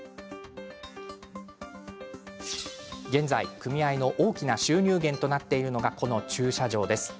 現在、組合の大きな収入源となっているのがこの駐車場です。